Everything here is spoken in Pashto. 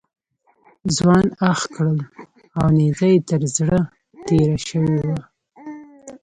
ځوان اخ کړل او نیزه یې تر زړه تېره شوې وه.